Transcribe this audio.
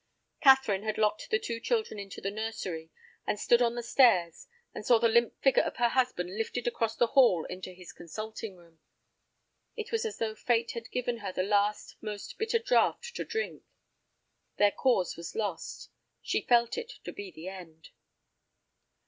Catherine had locked the two children into the nursery. She stood on the stairs, and saw the limp figure of her husband lifted across the hall into his consulting room. It was as though fate had given her the last most bitter draught to drink. Their cause was lost. She felt it to be the end.